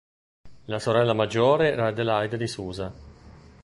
La sorella maggiore era Adelaide di Susa.